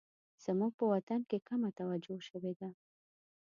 زموږ په وطن کې کمه توجه شوې ده